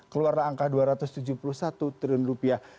keluarlah angka dua ratus tujuh puluh satu triliun rupiah